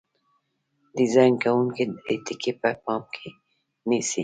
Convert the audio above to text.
ډیزاین کوونکي درې ټکي په پام کې نیسي.